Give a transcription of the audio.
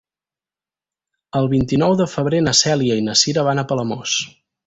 El vint-i-nou de febrer na Cèlia i na Cira van a Palamós.